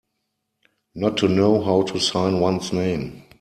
Not to know how to sign one's name.